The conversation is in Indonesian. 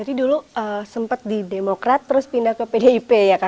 jadi dulu saya sempat di demokrat terus pindah ke pdip ya kak